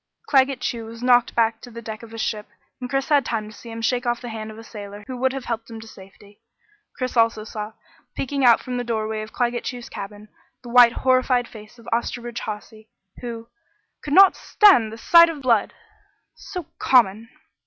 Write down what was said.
Claggett Chew was knocked back to the deck of his ship, and Chris had time to see him shake off the hand of a sailor who would have helped him to safety. Chris also saw, peeking out from the doorway of Claggett Chew's cabin, the white horrified face of Osterbridge Hawsey, who "could not stand the sight of blood so common!"